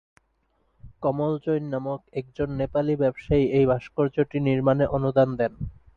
কমল জৈন নামক একজন নেপালি ব্যবসায়ী এই ভাস্কর্যটি নির্মাণে অনুদান দেন।